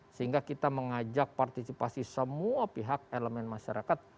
sehingga kita mengajak partisipasi semua pihak elemen masyarakat